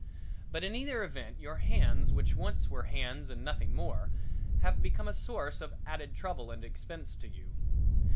But in either event your hands which once were hands and nothing more, have become a source of added trouble and expense to you.